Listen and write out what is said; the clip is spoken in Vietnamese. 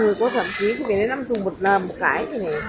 người có thẩm trí thì phải lấy năm thùng một cái